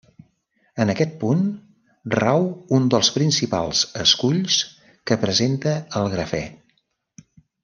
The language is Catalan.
En aquest punt rau uns dels principals esculls que presenta el grafè.